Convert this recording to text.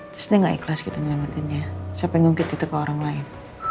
terus dia gak ikhlas kita ngelewatinnya saya pengen ngungkit itu ke orang lain